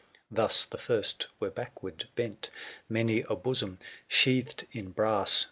Thus the first were backward bent ; 685 Many a bosom, sheathed in brass.